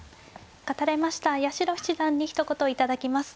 勝たれました八代七段にひと言頂きます。